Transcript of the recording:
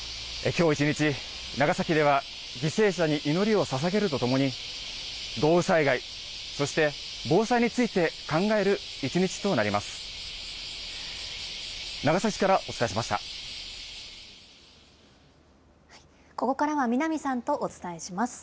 きょう一日、長崎では犠牲者に祈りをささげるとともに、豪雨災害、そして防災について考える一日となります。